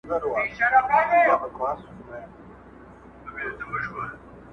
تیاره مالت وي پکښي خیر و شر په کاڼو ولي-